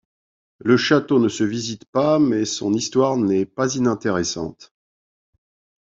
Le château ne se visite pas mais son histoire n'est pas inintéressante.